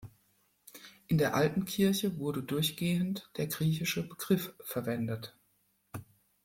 In der alten Kirche wurde durchgehend der griechische Begriff verwendet.